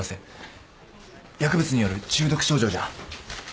薬物による中毒症状じゃ。